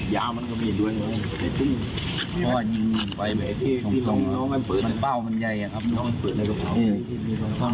ยาวมันก็มีด้วยเพราะว่ายิงไฟแบบนี้มันเป้าขนใหญ่มันเปลือกในกระเภา